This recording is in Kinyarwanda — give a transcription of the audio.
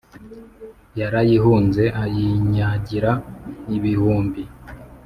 yarayihunze ayinyagira ibihumbi